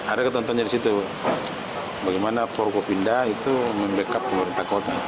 ada ketentuan dari situ bagaimana porco pinda itu membackup pemerintah kota